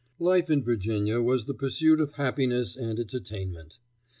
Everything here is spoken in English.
Life in Virginia was the pursuit of happiness and its attainment.